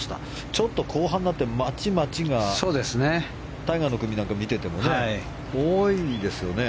ちょっと後半になって待ち、待ちがタイガーの組なんか見ていても多いですよね。